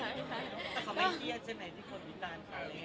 แต่เขาไม่เครียดใช่ไหมที่คนบิตานเครย์